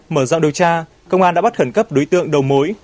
mở rộng điều tra công an đã bắt khẩn cấp đối tượng đầu mối